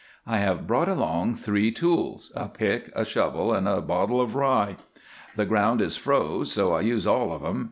"I have brought along three tools a pick, a shovel, and a bottle of rye. The ground is froze, so I use all of them.